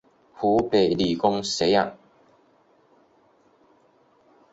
湖北理工学院